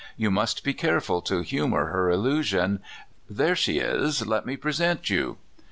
You must be careful to humor her illusion. There she is; let me present you."